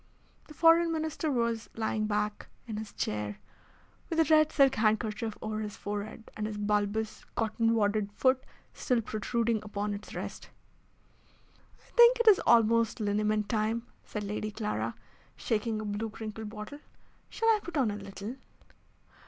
The Foreign Minister was lying back in his chair, with a red silk handkerchief over his forehead, and his bulbous, cotton wadded foot still protruding upon its rest. "I think it is almost liniment time," said Lady Clara, shaking a blue crinkled bottle. "Shall I put on a little?"